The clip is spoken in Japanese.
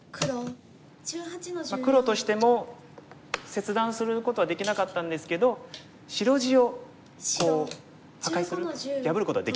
黒としても切断することはできなかったんですけど白地を破壊する破ることはできたんです。